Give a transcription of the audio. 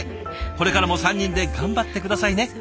これからも３人で頑張って下さいね。